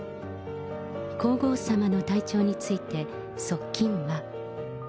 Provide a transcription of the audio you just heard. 皇后さまの体調について、側近は。